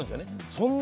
そんな。